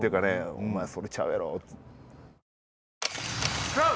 お前、それちゃうやろ。